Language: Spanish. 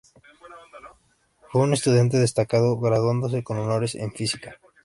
Fue un estudiante destacado, graduándose con honores en física.